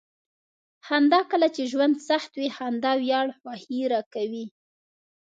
خندا: کله چې ژوند سخت وي. خندا وړیا خوښي راکوي.